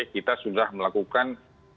kita sudah melakukan